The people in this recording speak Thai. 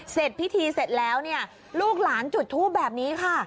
เสร็จพิธีเสร็จแล้วเนี่ยลูกหลานจุดทูปแบบนี้ค่ะ